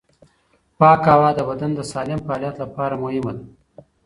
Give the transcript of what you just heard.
پاکه هوا د بدن د سالم فعالیت لپاره مهمه ده.